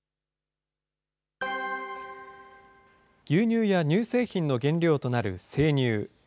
牛乳や乳製品の原料となる生乳。